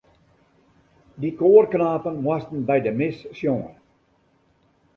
Dy koarknapen moasten by de mis sjonge.